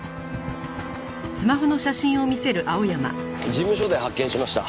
事務所で発見しました。